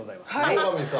野上さん。